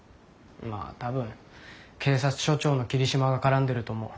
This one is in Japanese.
まあ多分警察署長の桐島が絡んでると思う。